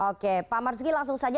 oke pak marzuki langsung saja